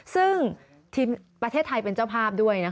ซึ่งทีมประเทศไทยเป็นเจ้าภาพด้วย